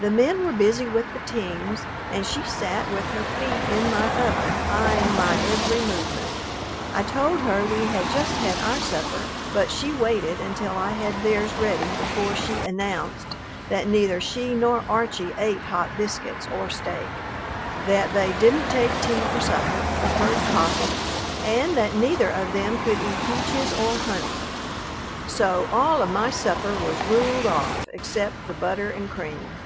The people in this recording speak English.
The men were busy with their teams, and she sat with her feet in my oven, eyeing my every movement. I told her we had just had our supper, but she waited until I had theirs ready before she announced that neither she nor Archie ate hot biscuits or steak, that they didn't take tea for supper, preferred coffee, and that neither of them could eat peaches or honey. So all of my supper was ruled off except the butter and cream.